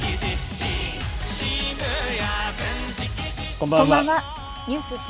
こんばんは。